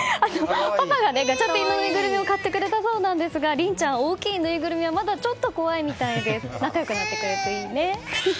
パパがガチャピンのぬいぐるみを買ってくれたそうですが凜ちゃん、大きいぬいぐるみはまだちょっと怖いみたいです。